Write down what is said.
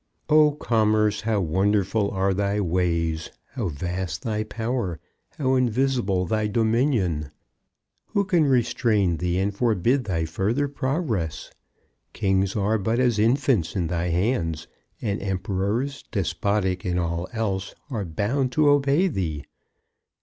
O Commerce, how wonderful are thy ways, how vast thy power, how invisible thy dominion! Who can restrain thee and forbid thy further progress? Kings are but as infants in thy hands, and emperors, despotic in all else, are bound to obey thee!